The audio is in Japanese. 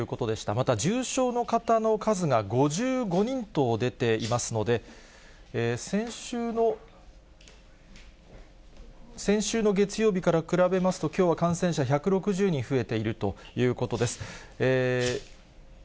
また重症の方の数が５５人と出ていますので、先週の月曜日から比べますと、きょうは感染者１６０人増えているということです。